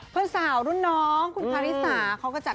เพื่อนสาวลุ่นน้องคุณคริสา